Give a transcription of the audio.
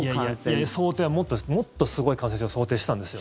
いやいや想定はもっとすごい感染症を想定してたんですよ。